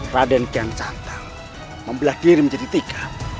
raden kian santang membelakiri mencetika